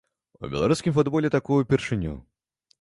У беларускім футболе такое ўпершыню.